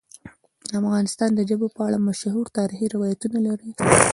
افغانستان د ژبو په اړه مشهور تاریخی روایتونه لري.